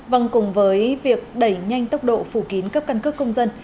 vâng cùng với việc đẩy nhanh tốc độ phủ kín cấp căn cước công dân